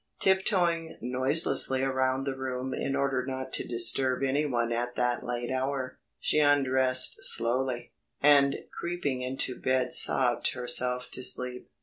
Tiptoeing noiselessly around the room in order not to disturb any one at that late hour, she undressed slowly, and creeping into bed sobbed herself to sleep.